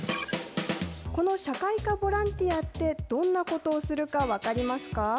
この社会化ボランティアって、どんなことをするか分かりますか？